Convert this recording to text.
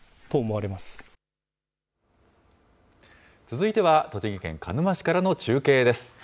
続いては栃木県鹿沼市からの中継です。